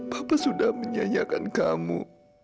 papa sudah menyanyikan kamu